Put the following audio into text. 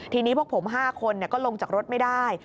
ทีนี้พวกผม๕คนก็ลงจากรถไม่ได้